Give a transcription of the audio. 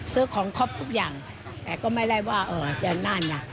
ซื้อของครบทุกอย่างแต่ก็ไม่ได้ว่าจะนั่นไง